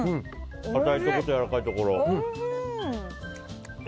固いところと、やわらかいところ。